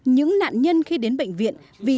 những nạn nhân khi đến bệnh viện việt đức